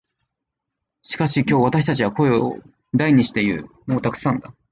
しかし今日、私たちは声を大にして言う。「もうたくさんだ」。